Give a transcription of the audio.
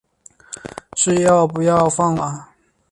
是要不要放过我啊